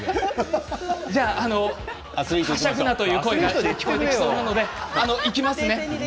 はしゃぐなという声が聞こえてきそうなのでいきますね。